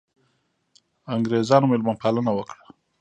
انګرېزانو مېلمه پالنه وکړه.